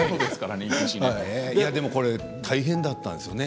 大変だったんですよね。